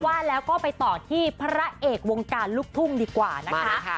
ว่าแล้วก็ไปต่อที่พระเอกวงการลูกทุ่งดีกว่านะคะ